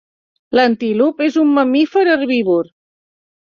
L'antílop és un mamífer herbívor.